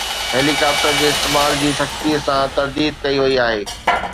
heli copter جي استعمال جي سختي سان ترديد ڪئي وئي آهي